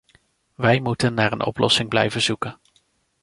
Wij moeten naar een oplossing blijven zoeken.